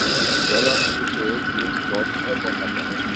জলাভূমিতে যূথবদ্ধ দেখা যায়।